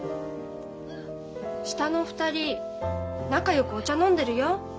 下の２人仲よくお茶飲んでるよ。